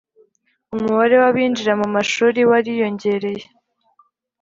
umubare w'abinjira mu mashuri wariyongereye,